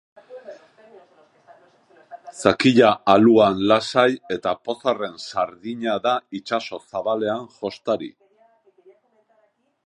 Zakila aluan lasai eta pozarren, sardina da itsaso zabalean jostari.